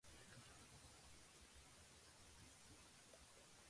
Terms for members of the General Assembly began on the twentieth day of October.